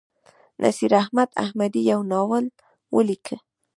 نصیراحمد احمدي یو ناول ولیک.